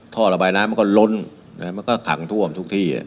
ท่อระบายน้ำมันก็ล้นมันก็ขังท่วมทุกที่